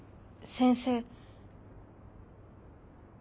先生。